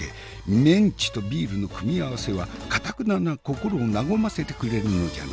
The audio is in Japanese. メンチとビールの組み合わせはかたくなな心を和ませてくれるのじゃな。